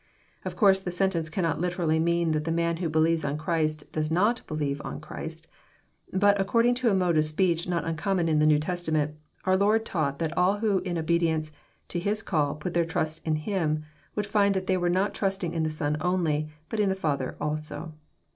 — Of course the sentence cannot literally mean that the man who believes on Christ does not believe on Christ. But according to a mode of speech not un common in the New Testament, our Lord taught that all who in obedience to His call put their trust in Him, would find that they were not trusting in the Son only, but in the Father also.